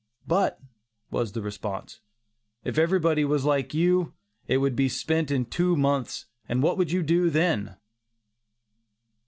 "But," was the response, "if everybody was like you, it would be spent in two months, and what would you do then?"